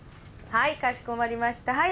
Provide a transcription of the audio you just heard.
はいかしこまりました。